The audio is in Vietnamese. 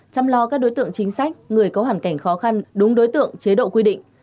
chăm lo các đối tượng chính sách người có hoàn cảnh khó khăn đúng đối tượng chế độ quy định